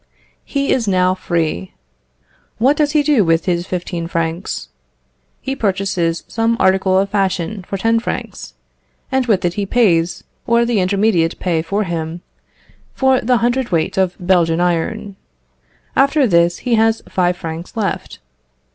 He is now free. What does he do with his fifteen francs? He purchases some article of fashion for ten francs, and with it he pays (or the intermediate pay for him) for the hundred weight of Belgian iron. After this he has five francs left.